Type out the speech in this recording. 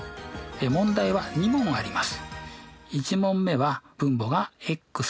問題は２問あります。